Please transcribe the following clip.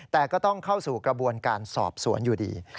แต่ก็ต้องเข้าสู่กระบวนการสอบสวนอยู่ดี